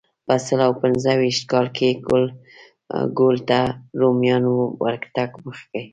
په سل او پنځه ویشت کال کې ګول ته د رومیانو ورتګ مخکې.